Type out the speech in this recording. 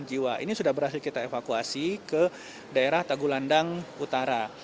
jadi kita sudah melakukan aplikasi ke daerah tagulandang utara